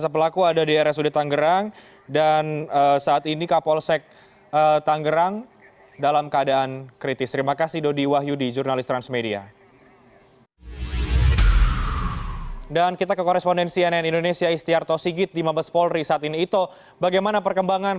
pelaku saat ini berada di kamar mayat rsud tangerang